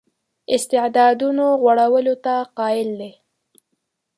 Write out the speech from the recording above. استعدادونو غوړولو ته قایل دی.